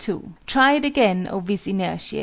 Try it again, oh VIS INERTIÆ!